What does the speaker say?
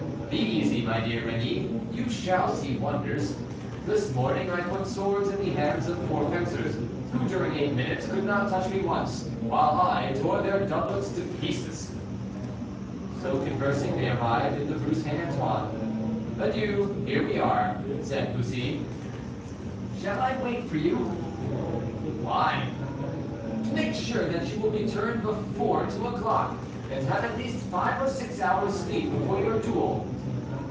"Be easy, my dear Rémy, you shall see wonders. This morning I put swords in the hands of four fencers, who during eight minutes could not touch me once, while I tore their doublets to pieces." So conversing, they arrived in the Rue St. Antoine. "Adieu! here we are," said Bussy. "Shall I wait for you?" "Why?" "To make sure that you will return before two o'clock, and have at least five or six hours' sleep before your duel."